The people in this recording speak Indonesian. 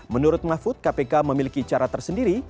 menurut mahfud kpk memiliki cara tersendiri